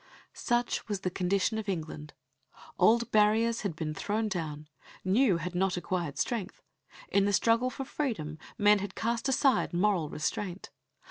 Such was the condition of England. Old barriers had been thrown down; new had not acquired strength; in the struggle for freedom men had cast aside moral restraint.